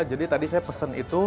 jadi tadi saya pesen itu